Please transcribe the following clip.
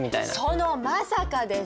そのまさかです。